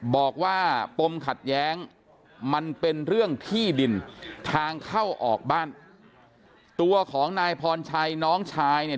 บอกว่าปมขัดแย้งมันเป็นเรื่องที่ดินทางเข้าออกบ้านตัวของนายพรชัยน้องชายเนี่ย